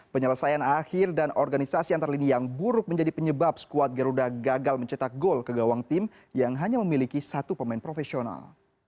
penyelesaian akhir dan organisasi antar lini yang buruk menjadi penyebab skuad garuda gagal mencetak gol ke gawang tim yang hanya memiliki satu pemain profesional